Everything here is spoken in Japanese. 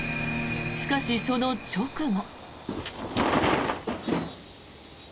しかし、その直後。